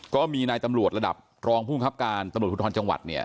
ก็มีนายตำรวจระดับรองผู้คับการตำรวจภูทธรณ์จังหวัด